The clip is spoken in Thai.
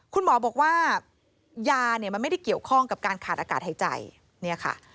คุณหมอบอกว่ายาเนี่ยมันไม่ได้เกี่ยวข้องกับการขาดอากาศหายใจเนี่ยค่ะ